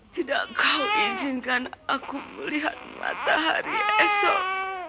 tidak kau izinkan aku melihat matahari esok